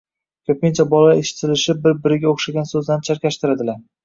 Ko‘pincha bolalar eshitilishi bir biriga o‘xshagan so‘zlarni chalkashtiradilar.